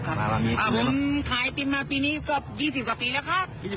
ขายอาทิตย์มาปีนี้ก็๒๐กว่าปีแล้วครับ